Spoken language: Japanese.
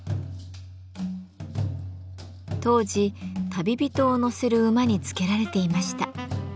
当時旅人を乗せる馬につけられていました。